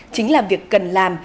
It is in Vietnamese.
chính là việc cần làm